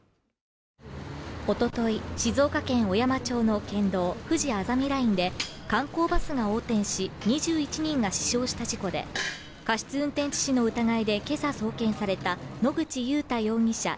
おととい静岡県小山町の県道ふじあざみラインで観光バスが横転し２１人が死傷した事故で過失運転致死の疑いで今朝送検された野口祐太容疑者